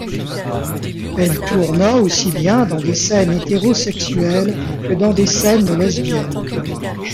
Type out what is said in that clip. Elle tourna aussi bien dans des scènes hétérosexuelles que dans des scènes lesbiennes.